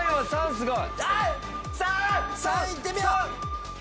すごい。